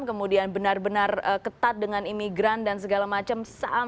kemudian benar benar ketat dengan imigran dan segala macam